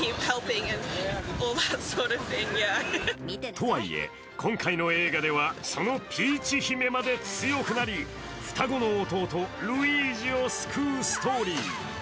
とはいえ、今回の映画ではそのピーチ姫まで強くなり、双子の弟・ルイージを救うストーリー。